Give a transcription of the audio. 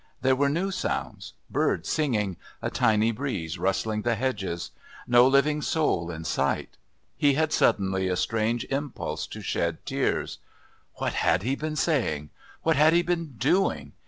There were new sounds birds singing, a tiny breeze rustling the hedges. No living soul in sight. He had suddenly a strange impulse to shed tears. What had he been saying? What had he been doing?